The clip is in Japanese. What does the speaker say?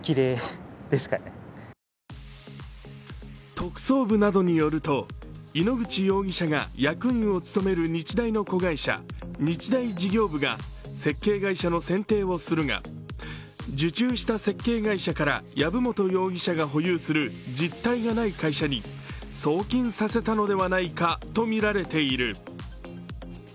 特捜部などによると、井ノ口容疑者が役員を務める日大の子会社、日大事業部が設計会社の選定をするが、受注した設計外車から藪本容疑者が保有する実態のない会社に送金させたのではないかとみられている。